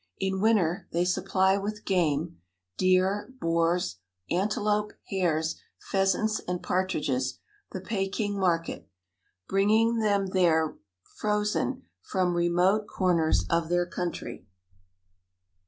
In winter they supply with game deer, boars, antelope, hares, pheasants and partridges the Peking market, bringing them there frozen from remote corners of their country.